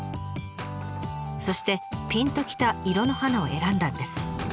そしてピンときた色の花を選んだんです。